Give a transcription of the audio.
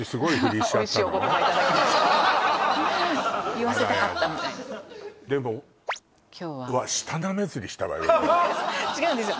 言わせたかったみたいな今日はわっ違うんですよ